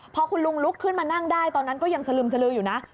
พอคุณลุงลุกขึ้นมานั่งได้ตอนนั้นก็ยังสลึมสลืออยู่นะ